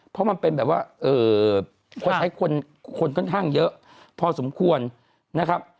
เพราะมันเป็นแบบว่าเขาใช้คนค่อนข้างเยอะพอสมควรนะครับ